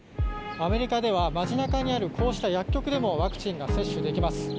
アメリカでは街中にある薬局でもワクチンが接種できます。